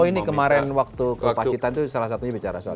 oh ini kemarin waktu ke pacitan itu salah satunya bicara soal